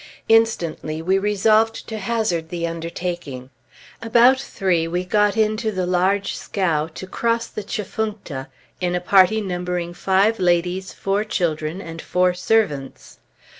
Instantly we resolved to hazard the undertaking. About three we got into the large scow to cross the Tchefuncta, in a party numbering five ladies, four children, and four servants.